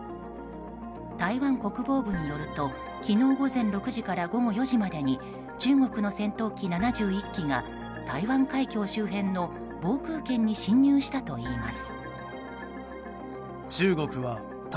台湾国防部によると昨日午前６時から午後４時までに中国の戦闘機７１機が台湾海峡周辺の防空圏に侵入したといいます。